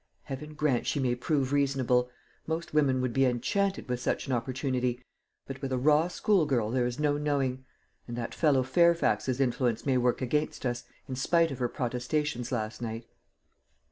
Heaven grant she may prove reasonable! Most women would be enchanted with such an opportunity, but with a raw school girl there is no knowing. And that fellow Fairfax's influence may work against us, in spite of her protestations last night."